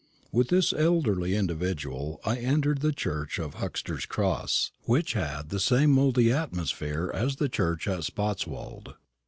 With this elderly individual I entered the church of Huxter's Cross, which had the same mouldy atmosphere as the church at Spotswold.